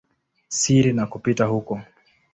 siri na kupita huko.